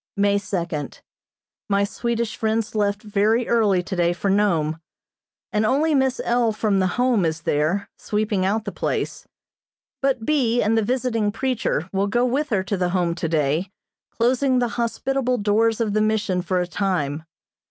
May second: My Swedish friends left very early today for Nome, and only Miss L. from the Home is there, sweeping out the place; but B. and the visiting preacher will go with her to the Home today, closing the hospitable doors of the Mission for a time.